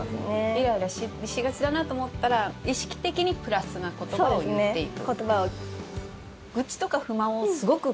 イライラしがちだなって思ったら意識的にプラスな言葉を言っていく。